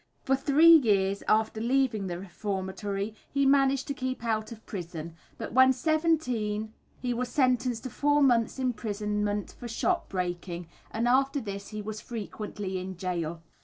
For three years after leaving the reformatory he managed to keep out of prison, but when seventeen he was sentenced to four months' imprisonment for shop breaking, and after this he was frequently in gaol.